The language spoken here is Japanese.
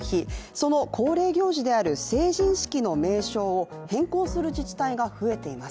その恒例行事である成人式の名称を変更する自治体が増えています。